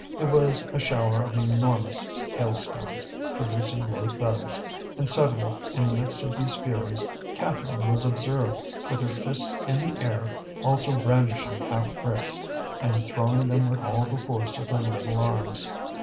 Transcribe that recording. It was a shower of enormous hailstones, producing low thuds. And suddenly, in the midst of these furies, Catherine was observed with her fists in the air also brandishing half bricks and throwing them with all the force of her little arms.